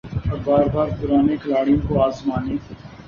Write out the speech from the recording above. اور بار بار پرانے کھلاڑیوں کو آزمانے